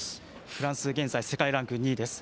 フランス、現在世界ランク２位です。